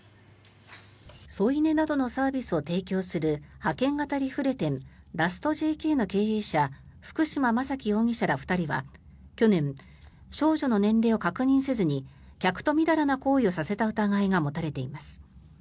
添い寝などのサービスを提供する派遣型リフレ店ラストＪＫの経営者福島真樹容疑者ら２人は去年、少女の年齢を確認せずに客とみだらな行為をさせた疑いが持たれています。